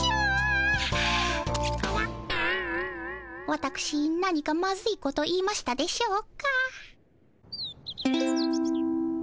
わたくし何かまずいこと言いましたでしょうか？